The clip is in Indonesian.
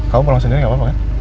kamu pulang sendiri gak apa apa kan